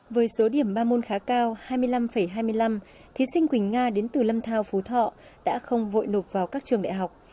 với số điểm ba môn khá cao hai mươi năm hai mươi năm thí sinh quỳnh nga đến từ lâm thao phú thọ đã không vội nộp vào các trường đại học